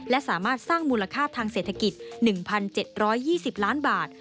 และสามารถสร้างมูลค่าทางเศรษฐกิจ๑๗๒๐ล้านบาท